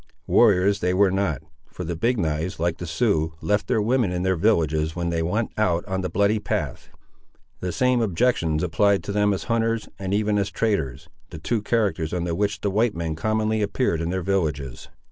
Warriors they were not, for the Big knives, like the Siouxes, left their women in their villages when they went out on the bloody path. The same objections applied to them as hunters, and even as traders, the two characters under which the white men commonly appeared in their villages.